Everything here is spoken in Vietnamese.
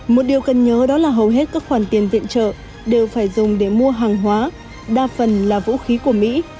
một điều cần nhớ đó là hầu hết các khoản tiền viện trợ đều phải dùng để mua hàng hóa đa phần là vũ khí của mỹ